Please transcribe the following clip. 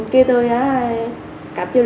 thế tôi chạy đi đường bình thường